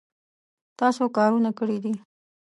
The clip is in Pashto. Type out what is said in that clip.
تاسو کارونه کړي دي